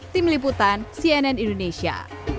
tim liputan cnn indonesia